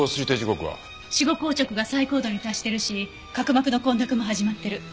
死後硬直が最高度に達しているし角膜の混濁も始まってる。